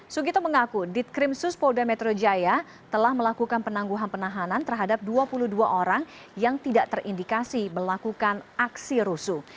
sugito mengaku ditkrim suspolda metro jaya telah melakukan penangguhan penahanan terhadap dua puluh dua orang yang tidak terindikasi melakukan aksi rusuh